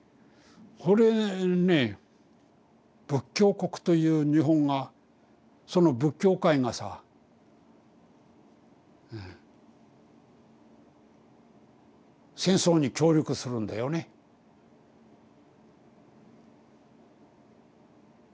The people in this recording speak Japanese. それね仏教国という日本がその仏教界がさ戦争に協力するんだよね率先して。